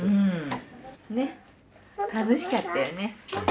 ねっ楽しかったよね。